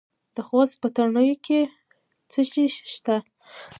د خوست په تڼیو کې څه شی شته؟